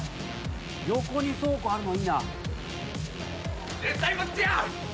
横に倉庫あるのいいな。